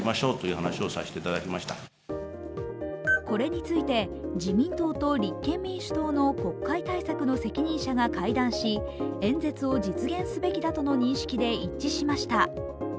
これについて、自民党と立憲民主党の国会対策の責任者が会談し演説を実現すべきだとの認識で一致しました。